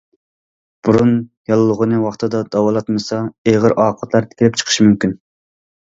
بۇرۇن ياللۇغىنى ۋاقتىدا داۋالاتمىسا ئېغىر ئاقىۋەتلەر كېلىپ چىقىشى مۇمكىن.